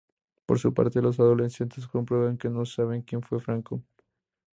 Por su parte, los adolescentes comprueban que no saben quien fue Franco.